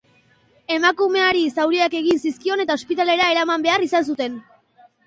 Emakumeari zauriak egin zizkion eta ospitalera eraman behar izan zuten.